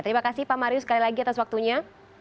terima kasih pak marius sekali lagi atas waktunya